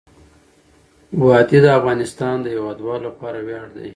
وادي د افغانستان د هیوادوالو لپاره ویاړ دی.